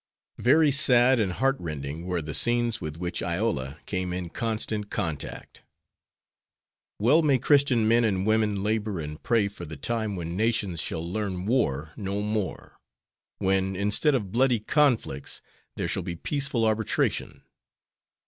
Very sad and heart rending were the scenes with which Iola came in constant contact. Well may Christian men and women labor and pray for the time when nations shall learn war no more; when, instead of bloody conflicts, there shall be peaceful arbitration.